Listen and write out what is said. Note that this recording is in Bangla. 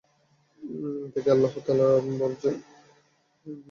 এটা কি আল্লাহ তায়ালা বলেছে, একজন মুমিনকে হত্যা করো?